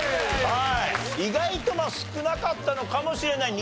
はい意外と少なかったのかもしれない。